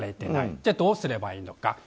じゃあどうすればいいのか。